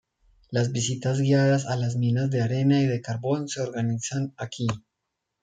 Las visitas guiadas a las minas de arena y de carbón se organizan aquí.